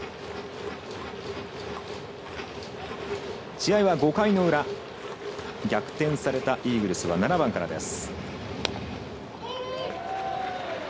試合は５回の裏。逆転されたイーグルスは７番からです。